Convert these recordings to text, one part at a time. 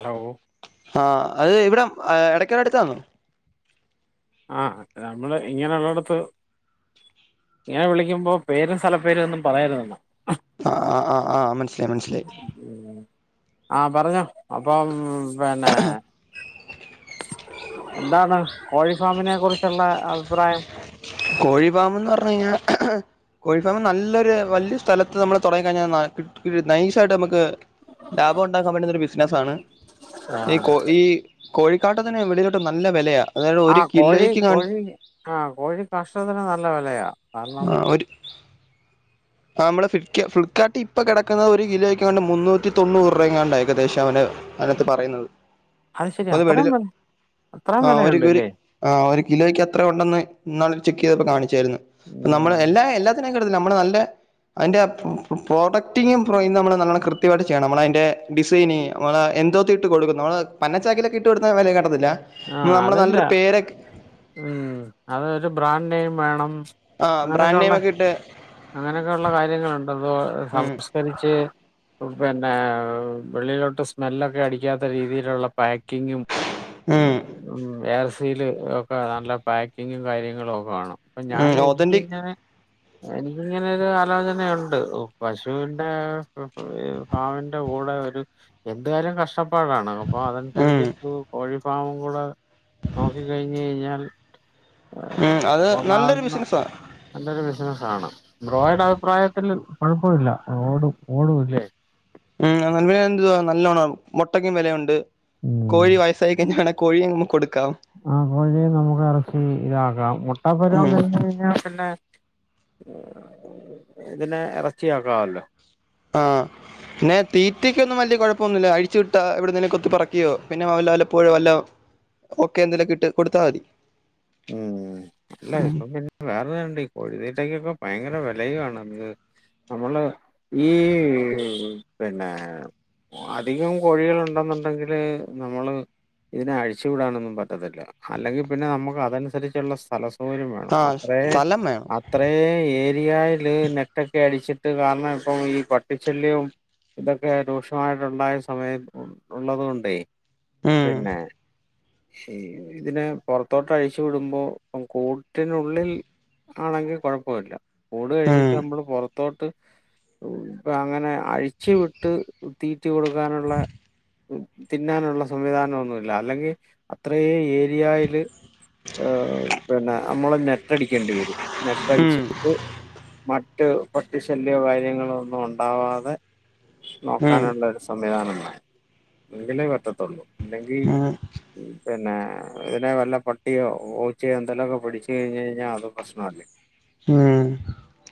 Hello ആഹ് അത് ഇവിടെ എടയ്ക്കടെ അടുത്താന്നോ ആഹ് നമ്മള് ഇങ്ങനെയുള്ളടത്ത് ഇങ്ങനെ വിളിക്കുമ്പോ പേരും സ്ഥല പേരും ഒന്നും പറയരുതെന്ന ആ ആ ആ ആ മനസ്സിലായി മനസിലായി ആഹ് പറഞ്ഞോ അപ്പം പിന്നെ എന്താണ് കോഴി ഫാമിനെ കുറിച്ചുള്ള അഭിപ്രായം കോഴിഫാമെന്ന് പറഞ്ഞു കഴിഞ്ഞാ കോഴിഫാമ നല്ലൊരു വലിയ സ്ഥലത്ത് നമ്മൾ തുടങ്ങിക്കഴിഞ്ഞാൽ ന കിട്ടു നൈസായിട്ട് നമുക്ക് ലാഭം ഉണ്ടാക്കാൻ പറ്റുന്ന ഒരു ബിസിനസ്സ ആണ് ഈ കൊ ഈ കോഴിക്കാട്ട തന്നെ വെളിയിലോട്ടു നല്ല വിലയ അതായത് ഒരു കിലോയ്ക്ക് ക ആഹ് കോഴി കാഷ്ടത്തിന് നല്ല വിലയാ കാരണം ആഹ് ഒരു ആഹ് നമ്മള് ഫ്ളിക്കാ ഫ്ളിക്കട്ടിൽ ഇപ്പൊ കിടക്കുന്ന ഒരു കിലോക്കാണ്ട് മുന്നൂറ്റിതോണ്ണൂറ് രൂപയുംങ്ങാണ്ടക്കദേശ അവന് അതിനത്ത് പറയുന്നത് അത് ശരി അപ്പൊ അത്രയും വെളി വില അത്രയും വില ഉണ്ടല്ലേ ആഹ് ഒരു കിലോയ്ക്ക് അത്ര ഉണ്ടെന്ന് ന്നാൾ ചെക്ക് ചെയ്തപ്പോ കാണിച്ചായിരുന്നു ഉം നമ്മൾ എല്ലാ എല്ലാ അതിനെകൊടുത്തില്ല നമ്മള് നല്ലെ അതിൻ്റെ പ്രോഡക്റ്റിങ്ങും പ്രോയും നമ്മൾ നല്ലണം കൃത്യമായിട്ട് ചെയ്യണം നമ്മൾ അതിൻ്റെ ഡിസൈന് നമ്മൾ എന്തോത്തിട്ട് കൊടുക്കും നമ്മൾ പന്നച്ചാക്കിലൊക്കെ ഇട്ട് കൊടുന്ന വരെ ആ കട്ടത്തില്ലനമ്മൾ അതല്ല നല്ലൊരു പേരക്കെ ഉം അത ഒരു ബ്രാൻഡ നെയിം വേണം ആ ബ്രാൻഡ് അങ്ങനെയൊക്കെള്ള നെയിം ഒക്കെ ഇട്ട് അങ്ങനെയൊക്കെയ ഉള്ള കാര്യങ്ങളുണ്ട് അതോ ഉം സംസ്കരിച്ച് പിന്നെ വെളിയിലോട്ട് സ്മെല്ലൊക്കെ അടിക്കാത്ത രീതിയിലുള്ള പാക്കിങ്ങും, ഉം എയർഫീൽ ഒക്കെ നല്ല പാക്കിങ്ങും കാര്യങ്ങളും ഒക്കെ ആണം ഇപ്പൊ ഞാൻ ഉം ഓതന്റിക് എനിക്കങ്ങനെ എനിക്കിങ്ങനെൊ ഒരു ആലോചനയുണ്ട് പശുവിന്റെ ഹ് ഫാമിന്റെ കൂടെ ഒരു എന്ത് കാര്യം നഷ്ടം ഒരുപ്പാടാണ് അപ്പോ ഉം അതനുസരിച്ച് ഇന്ക് കോഴി ഫാമും കൂടെ നോക്കി കഴിഞ്ഞഴിഞ്ഞാൽ മ് അത് നല്ലൊരു ബിസിനസ്സ നല്ലരു ബിസിനസ്സാണ് ബ്രോയുടെ അഭിപ്രായത്തിൽ കുഴപ്പമില്ല ഓടും ഓടുംല്ലേ ഉം [unintelligible] എതു നല്ലോണ്ണം മൊട്ടക്കും വിലയുണ്ട് മ് കോഴി വയസ്സായി കഴിഞ്ഞാണ കോഴിയെ നമുക്ക് കൊടുക്കാം ആ കോഴിയും നമുക്ക് അറച്ചി ഇതാക്കാം മുട്ടാപ്പരവ്വം ഉം കഴിഞ്ഞാഞ്ഞ പിന്നെ ഇതിനെ ഇറച്ചിയാക്കാമല്ലോ ആഹ് പിന്നെ തീറ്റയ്ക്കൊന്നും വല്ല്യ കുഴപോന്നുല്യമ ഇല്ല അഴിചുവിട്ട എവിടുന്നന്നെ കൊത്തി പറക്കിയോ പിന്നെ വല്ല വല്ലപ്പോഴോ വല്ലോ ഓക്കെ എന്തേലും കിട്ട് കൊടുത്താൽ മതി മ് ഉം. ല്ല്യഇപിന്നെ വേറെര്ത്ണ്ട് ഈ കോഴതീറ്റക്കൊക്കെ ഭയങ്കര വിലയണ്ന്ന് നമ്മള് ഈ പിന്നെ അധികം കോഴികൾ ഉണ്ടെന്നുണ്ടെങ്കില് നമ്മള് ഇതിനെ അഴിച്ചു വിടാനൊന്നും പറ്റത്തില്ല അല്ലെങ്കിൽ പിന്നെ നമുക്ക് അതനുസരിച്ചുള്ള സ്ഥല ആഹ് സ്ഥലം വേണം ഇത്രേ ഏരിയയില് നെറ്റ്ക്കെ അടിച്ചിട്ട് കാരണം ഇപ്പം ഈ പട്ടി ശല്ല്യം ഇതൊക്കെ രൂക്ഷമായിട്ട ഉണ്ടായ സമയ ഉള്ളതു കൊണ്ടേ, ഉം. പിന്നെ ഇതിനെ പുറത്തോട്ട് അയി ച്ചുടുമ്പോ കൂട്ടിനുള്ളിൽ ആണെങ്കിൽ കുഴപ്പല്ല കൂട് കഴിഞ്ഞിട്ട് ഉം. നമ്മള് പുറ തോട്ട് അങ്ങനെ അഴിച്ചു വിട്ട് തീറ്റി കൊടുക്കാനുള്ള തിന്നാനുള്ള സംവിധാനം ഒന്നുല്ല അല്ലെങ്കി അത്രയ ഏരിയായിൽ ഏഹ് പിന്നെ നമ്മള് നെറ്റ്ടിക്കേണ്ടി വരും ഉം. നെറ്റ്ടിച്ചിട്ട് മറ്റ് പട്ടിശല്യോ കാര്യങ്ങളോ ഒന്നും ഉണ്ടാവാതെ ഉം. നോക്കാനുള്ള സ് സംവിധാന വേണം എങ്കിലേ പറ്റത്തുള്ളൂ ഇല്ലെങ്കി ഉം. പിന്നെ ഇതിനെ വല്ല പ പട്ടിയോ പൂച്ചയോ എന്തെലൊക്കെ പിഠിച്ചു കഴിഞ്ഞ്ഴിഞ് കഴിഞ്ഞാൽ അത് പ്രശ്നാ ല്ലെ ഉം.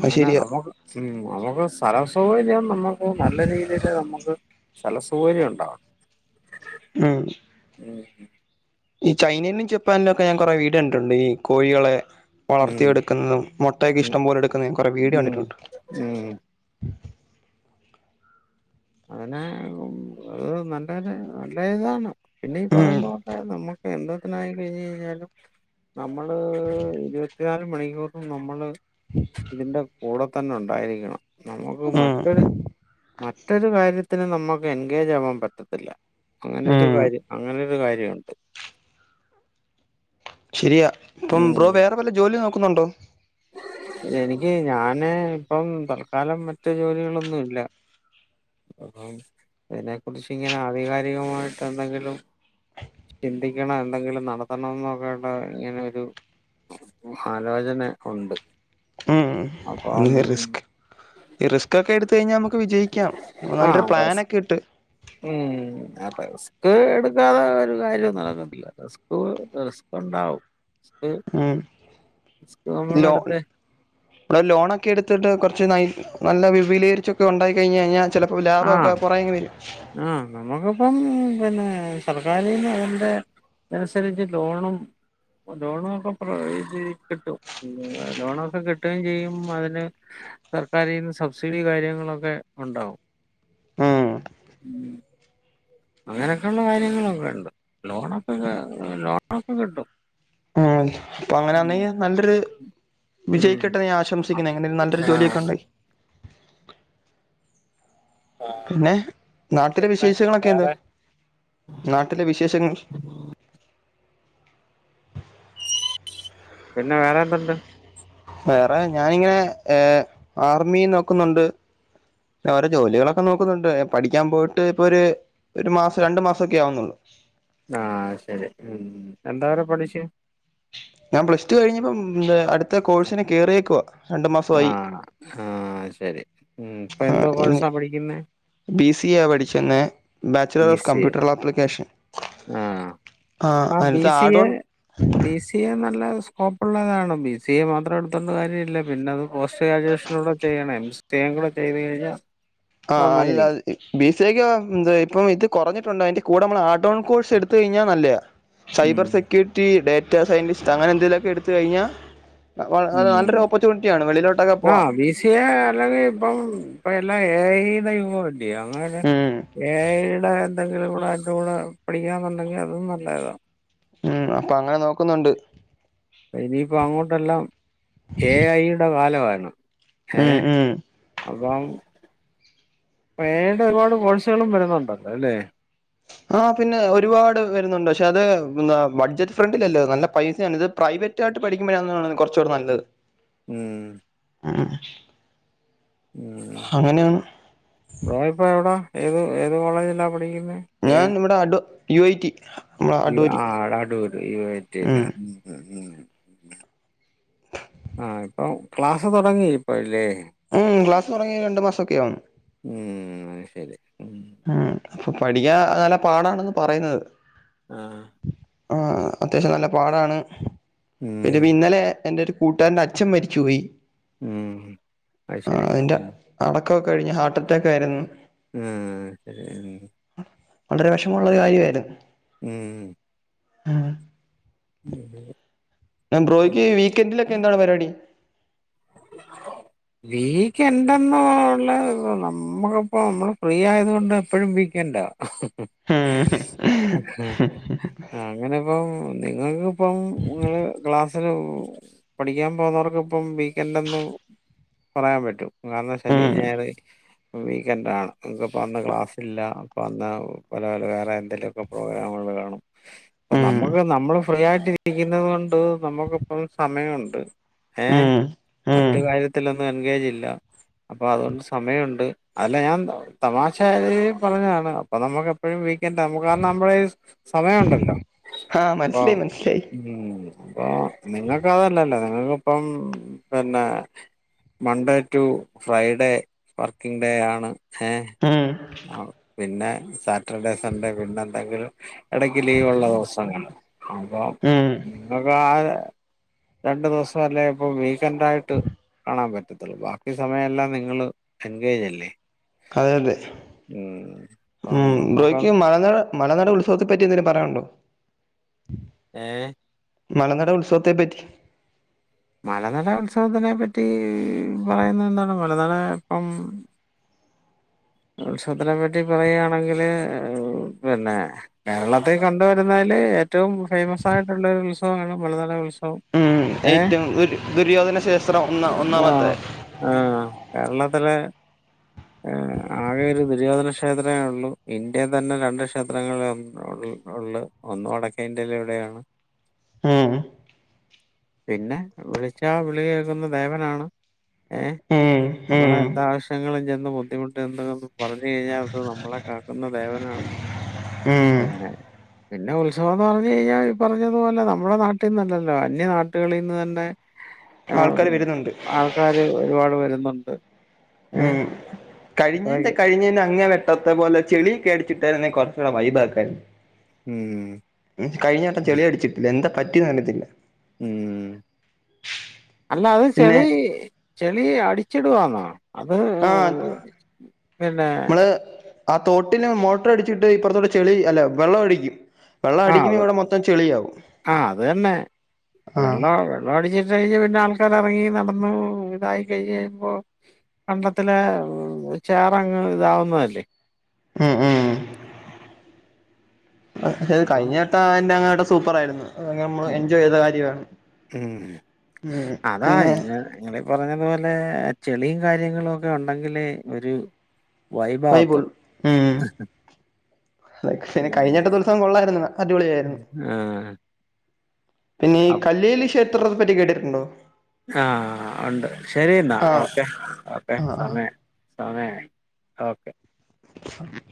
അത് അങ്ങനെ ശരിയാ മക്ക് ഉം നമുക്ക് സ്ഥല സൗകര്യം നമ്മുക്ക് നല്ല രീതിയില് നമുക്ക് സ്ഥല സൗകര്യം ഉണ്ടവാണ ഉം ഉം ഈ ചൈനന്നു ജപ്പാനിന്നുക്കെ ഞാൻ കൊറെ വീടിയോ കണ്ടിട്ടുണ്ട് ഈ കോഴികളെ ഉം വളർത്തിയടുക്കുന്നതും മുട്ട ക്ക ഇഷ്ടം പോലെ എടുക്കതും കുറെ വീഡിയ കണ്ടിട്ടുണ്ട് മ് മ് അതിനെ അത് നല്ലനെ നല്ല ഇതാണ് പിന്നെ ഈ ഉം. പറയുന്നത് നമ്മുക്ക് എൻ്റർ ത്തനായി കഴിഞ്ഞഴിഞ്ഞാലും നമ്മള് ഇരുപത്തിനാല് മണിക്കൂറും നമ്മള് ഇതിന്റെ കൂടെ തന്നെ ഉണ്ടായിരിക്കണം നമുക്ക് ഉം. മറ്റൊരു റ്റൊരു കാര്യത്തിന് നമക്ക് എൻഗേജ് ആവാൻ പറ്റത്തില്ല അങ്ങനരു ഉം. കാര്യം അങ്ങനെരു കാര്യണ്ട് ശരിയ പ്പം ഉം ബ്രോ വേറെ വല്ല ജോലി നോക്കുന്നുണ്ടോ എനിക്ക് ഞാന് ഇപ്പം തർക്കാലം മറ്റ് ജോലികളൊന്നുല്ല അപ്പം ഇതിനെ കുറിച്ചിങ്ങനെ ആധികാരികമായിട്ടന്തെങ്കിലും ചിന്തിക്കണം എന്തെങ്കിലും നടത്തണം എന്നൊക്കെള്ളങ്ങനെ രു ആലോചന ഉണ്ട് ഉം ഒൺലി അപ്പം റിസ്ക് റിസ്ക്കൊക്കെ എടുത്ത് കഴിഞ്ഞാൽ നമുക്ക് വിജയിക്കാം ആ നല്ലൊരു റിസ്- പ്ലാനൊക്കെട്ട് ഉം റിസ്കെടുക്കാതെരു കാര്യവും നടക്കത്തില്ല റിസ്ക് റിസ്ക്ണ്ടാവും ഉം റിസ്ക് ലോ നമ്മളെടുത്ത് ഇവിടെ ലോണൊക്കെ എടുത്തിട്ട് കുറച്ച് ന നല്ല വിപുലീകരി ച്ചൊക്കെ ഇണ്ടായി കഴിഞ്ഞഴിഞ്ഞാൽ ചിലപ്പോ ലാഭമക്കെ കുറേങ്ങ് വരും ആഹ് നമ്മുക്കിപ്പം പിന്നെ സർക്കാരിന്ന് അതിന്റെ അതനുസരിച്ച് ലോണും ലോണുക്കെ പ്ര കിട്ടും ലോ ലോണൊക്കെ കിട്ടുകയും ചെയ്യും അയിന് സർക്കാരീന്ന് സബ്സിഡി കാര്യങ്ങളൊക്കെ ഇണ്ടാവും ഉം മ്മ് അങ്ങനക്കെള്ള കാര്യങ്ങളൊക്കെ ണ്ട് ലോണൊക്കെ ലോണൊക്കെ കിട്ടും ഉം ഉം അങ്ങനാന്നെങ്കി നല്ലൊരു വിജയിക്കട്ടെന്ന്‌ ഞാ ആശംസിക്കുന് എങ്ങെ നെ നല്ലൊരു ആഹ് ജോലിയൊക്കെണ്ടെങ്കി ന്നെ നാട്ടില് പിന്നെ വിശേഷങ്ങളൊക്കെ എന്ത് വേറെ നാട്ടിലെ വിശേഷങ്ങൾ പിന്നെ വേറെന്തുണ്ട് വേറെ ഞാനിങ്ങനെ ഏഹ് ആർമി നോക്കുന്നുണ്ട് വേറെ ജോലികളൊക്കെ നോക്കുന്നുണ്ട് പഠിക്കാൻ പോയിട്ട് ഇപ്പൊ ഒരു ഒരു മാസം രണ്ടു മാസൊക്കെ ആവുന്നുള്ളൂ ആഹ് ശരി എന്തോ വരെ പഠിച്ചു ഞാൻ പ്ലസ്ടു കഴിഞ്ഞിപ്പം അടുത്ത കോഴ്സിനെ കേറിയേക്കുവ ആഹ് ആഹ് ശെരി ഇപ്പൊ എന്തോ കോഴ്സാ പഠിക്കുന്നെ ബി സി എ പഠിച്ന്നേ bachelor B of C A computer application ആഹ് ആഹ് ആ ബി അതിനത്ത് C A add on B C A നല്ല സ്കോപ്പുള്ളതാണ് ബി സി എ മാത്രം എടുത്തോണ്ട് കാര്യല്ല പിന്നെ അത് പോസ്റ്റ്ഗ്രാജുവേഷൻ നുടെ ചെയ്യണേ എം സി എ കൂടെ ചെയ്ത് കഴിഞ്ഞാൽ ആഹ് അല്ല അത് നന്നായിരിക്കും ബി സി ഐക്കപ്പം ഇത് കുറഞ്ഞിട്ടുണ്ട് അതിന്റെ കൂടെ നമ്മൾ ആഡ് ഒൺ കോഴ്സ്എടുത്തു കഴിഞ്ഞാൽ നല്ലയാ ഉം സൈബർ സെക്യൂരിറ്റി ഡേറ്റ സയന്റിസ്റ്റ് അങ്ങനെ എന്തെങ്കി ലുക്കെ എടുത്ത് കഴിഞ്ഞാ വളരെ നല്ലൊരോ ഉം ഒപ്പർച്യണിറ്റിയാണ് വെളിലോട്ടൊക്കെ പോവാം [unintelligible] അല്ലെങ്കിൽ ഇപ്പം ഇപ്പ എല്ലാം എ ഐ യുടെ യുഗം അല്ലിയോ അങ്ങനെ ഉം എ ഐ യുടെ എന്തെങ്കിലുടെ അയിൻ്റെ കൂടെ പഠിക്കാന്നുണ്ടെങ്കിൽ അതും നല്ലതാ ഉം അപ്പൊങ്ങനെ നോക്കുന്നുണ്ട് ഇനിയിപ്പോ അങ്ങോട്ടെല്ലാം എ ഐയുടെ കാലാവാണ് ഉം ഏഹ് ഉം അപ്പം എ ഐ യുടെ ഒരുപാടു കോഴ്സുകളും വരുന്നുണ്ടല്ലോല്ലേ ആഹ് പിന്നെ ഒരുപാട് വരുന്നുണ്ട് പക്ഷെ അത് ബഡ്ജറ്റ് ഫ്രണ്ടിലിയല്ല നല്ല പൈസാണ് ഇത് പ്രൈവറ്റ് റ്റായിട്ട് പഠിക്ക്മ്പഴാണ് തോന്നുന്നു കുറച്ചുടെ നല്ലത് ഉം ആഹ് ഉം ബ്രോ ഇപ്പോ എവിടാ ഏത് ഏത് കോളേജിലാ പഠിക്കുന്നേ ഞാൻ ഇവിടെ അടൂർ യു ഐ ടി നമ്മളെ അടൂരി ആഹ് അടൂര് യൂ ഐ റ്റി ലാ ഉം ആഹ് ഇപ്പൊ ക്ലാസ്സ് തുടങ്ങി ഇപ്പല്ലേ ഉം ക്ലാസ് തുങ്ങത് രണ്ട് മാസൊക്കെ ആകാണ് ഉം അത് ശരി ഉം ഉം അപ്പൊ പഠിക്കാൻ നല്ല പാടാണെന്ന് പറയുന്നത് ആഹ് ആഹ് അത്യാവശ്യം നല്ല പാടാണ് ഉം പിന്നെ ഇന്നലെ എന്റെ ഒരു കൂട്ടുകാരന്റെ അച്ഛൻ മരിച്ചുപോയി ഉം അയി ശരി അതിന്റെ അടക്കമൊക്കെ കഴിഞ്ഞ് ഹാർട്ട് അറ്റാക്കായിരുന്നു ഉം ശരി ഉം വളരെ വിഷമമുള്ള ഒരു കാര്യായിരുന്ന് ഉം ഉം ഉം ബ്രോക്ക് വീക്ക്‌ എന്റിൽ എന്താണ് പരിപാടി ആഹ വീക്ക്ഏൻഡ് എന്നുള്ള നമ്മുക്കിപ്പോ നമ്മള് ഫ്രീ ആയത കൊണ്ട് എപ്പോഴും വീക്ക് എൻഡ് ആഹ് ആഹ് അങ്ങനെ ഇപ്പം നിങ്ങൾക്ക് ഇപ്പം ക്ലാസ് പഠിക്കാൻ പോകുന്നവർക്ക ഇപ്പം വീക്ക്‌ എൻഡ് ന്ന് പറയാൻ പറ്റും കാരണം ശനി ഉം ഞായർ വീക്കന്റ ആണ് നിങ്ങക്ക് അപ്പോ അന്ന് ക്ലാസ് ഇല്ല അപ്പ അന്ന് പല പല വേറെ എന്തെങ്കിലുമൊക്ക പ്രോഗ്രാമുകൾ കാണും അപ്പ ഉം നമുക്ക് നമ്മള് ഫ്രീ ആയിട്ട് ഇരിക്കുന്നത് കൊണ്ട് നമ്മുക്ക ഇപ്പം സമയമുണ്ട് ഏഹ് ഉം ഉം മറ്റ് കാര്യത്തിലൊന്നും എൻഗേജ് ഇല്ല അപ്പൊ അതുകൊണ്ട് സമയമുണ്ട് അല്ല ഞാൻ തമാശ രീതിയിൽ പറഞ്ഞതാണ് അപ്പൊ നമുക്ക് എപ്പോഴും വീക്കെന്ഡ നുക്ക് കാരണം നമ്മള് സമയംണ്ടല്ലോ ആഹ് മനസ്സിലായി മനസ്സിലായി ഉം അപ്പൊ നിങ്ങൾക്ക് അതല്ലല്ലോ നിങ്ങൾക്കിപ്പം പിന്നെ Monday to Friday working day ആണ് ഏഹ്‌ ഉം പിന്നെ ഡേ സൺഡേ പിന്നെ എന്തെങ്കിൽ ഇടക്ക് ലീവ് ഉള്ള ദിവസങ്ങ അപ്പ ഉം നമക്ക് ആഹ് രണ്ടു ദിവസ അല്ലേ ഇപ്പ വീക്ക് ൻറായിട്ട് കാണാൻ പറ്റത്തുള്ളൂ ബാക്കി സമയമ എല്ലാം നിങ്ങള് എൻഗേജല്ലേ അതെ അതെ അപ്പം ഉം നമ്മുക്ക് ബ്രോഹക്ക് മലന്നര മലനാട് ഉത്സവത്തെ പറ്റി എന്തേിലും പറയാനുണ്ടോ ഏഹ് മലനട ഉത്സവത്തെപ്പറ്റി മലനട ഉത്സവത്തിനെ പറ്റി പറയുന്നത് എന്താണ് മലനട ഇപ്പം ഉത്സവത്തിനെ പറ്റി പറയുകയാണെങ്കിൽ പിന്നെ കേരളത്തെ കൊണ്ടുവരുന്നതില് ഏറ്റവും ഫേമസ് ആയിട്ടുള്ളരു ഉത്സവമാണ് മലനാട ഉത്സവം മ് ഏ ഏറ്റവും ദ ദുര്യോധന ശേസ്ത്രം ഒന്ന ഒന്നാമത്തെ ആഹ് കേരളത്തിലെ ആകെ ഒരു ദുര്യോധന ക്ഷേത്രമേ ഉള്ളു ഇന്ത്യയിൽ തന്നെ രണ്ട് ക്ഷേത്രങ്ങള ഉള്ള ഒന്നും വടക്കഇന്ത്യക്കാരുടെയാണ് ഉം പിന്നെ വിളിച്ചാ വിളി കേൾക്കുന്ന ദേവനാണ് ഏഹ് ഉം നമ്മള ഉം എന്ത ആാവശ്യങ്ങളും ഇന്ന് ബുദ്ധിമുട്ട് എന്തന്ന് പറഞ്ഞു കഴിഞ്ഞാൽ അത് നമ്മളെ കാക്കുന്ന ദേവനാണ് ഉം പിന്നെ പിന്നെ ഉത്സവംന്ന് പറഞ്ഞു കഴിഞ്ഞാൽ ഈ പറഞ്ഞതുപോലെ നമ്മുടെ നാട്ടിന്നല്ലല്ലോ അന്യ നാട്ടുകളിൽ നിന്നന്നെ ആഹ് ആൾക്കാര് വരുന്നുണ്ട് ആൾക്കാര് ഒരുപാട് വരുന്നുണ്ട് ഏഹ് ഉം കഴിഞ്ഞേന്റെ അത്രയൊക്കെ. കഴിഞ്ഞേ അങ്ങന തത്തെ പോലെ ചെളി അടിച്ചിട്ടായിരുന്ന കുറച്ചൂടെ വൈപാക്കായിരുന്നു ഉം കഴിഞ്ഞട്ടം ചെളിയ അടിച്ചിട്ടില്ല എന്താ പറ്റിന്ന് അറിയത്തില്ല ഉം അല്ലാത് പിന്നെ ചളി ചളി അടിച്ചിടുവാന്നോ ആഹ് പിന്നെ നമ്മള് ആഹ് തോട്ടിന് മോട്ടർ അടിച്ചിട്ട് ഇപ്പുറത്തോടെ ചെളി അല്ല വെള്ളം അടിക്കും വെള്ളം ആഹ് അടിക്കുമ്പോ വെ ഇവിടെ മൊത്തം ചെളിയവും ആഹ് ആഹ് പിള്ള അടിച്ചിട്ട് കഴിഞ്ഞ് പിന്നെ ആൾക്കാരിറങ്ങി നടന്നു ഇതായി കഴിഞ്ഞ് കഴിഞ്ഞപ്പോ കണ്ടത്തില ചേറങ്ങ് ഇതാവുന്നതല്ലേ ഉം ഉം അക്ഷേത് അപ്പം കഴിഞ്ഞേട്ട അതിറെ അങ്ങട്ട സൂപ്പറായിരുന്നു അങ്ങനെ നമ്മൾ മ്മ്. എൻജോയ്ത കാര്യമാണ് മ്മ്. ഉം അതാ പിന്നെ നിങ്ങള് നിങ്ങളീ പറഞ്ഞതു പോലെ ചെളിയും കാര്യങ്ങളോക്കെ ഉണ്ടെങ്കിലെ ഒരു വൈബാവത്തുള്ളൂ. വൈബോള്ളു ഉം പക്ഷെ കഴിഞ്ഞട്ട ഉം. ദിവസം കൊള്ളായിരുന്നു അടിപൊളിയായിരുന്നു ആഹ് പിന്നെ ഈ അപ് കല്ലേലി ക്ഷേത്രത്തെ പറ്റി കേട്ടിട്ടുണ്ടോ ആഹ് ഉണ്ട് ശരി എന്നാ ആഹ് ഓക്കേ ഓക്കെ ആഹ് ആഹ് സമയായി സമയായി ഓക്കെ [inaudible]